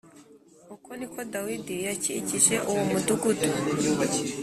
uko ni ko dawidi yakijije uwo mudugudu